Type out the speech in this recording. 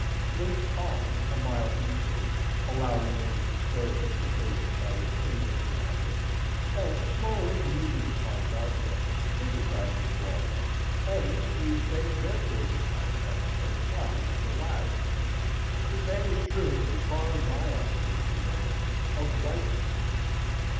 Flint's Pond, a mile eastward, allowing for the disturbance occasioned by its inlets and outlets, and the smaller intermediate ponds also, sympathize with Walden, and recently attained their greatest height at the same time with the latter. The same is true, as far as my observation goes, of White Pond.